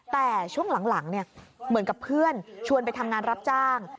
แต่ช่วงหลังเหมือนกับเพื่อนชวนไปทำงานรับจ้าง